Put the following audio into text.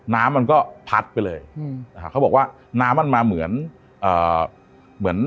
น้ำมันก็พัดไปเลยเขาบอกว่าน้ำมันมาเหมือน